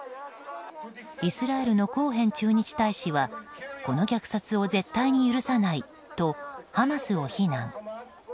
イスラエルのコーヘン駐日大使はこの虐殺を絶対に許さないとハマスを非難。